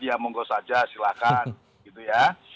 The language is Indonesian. ya monggo saja silahkan gitu ya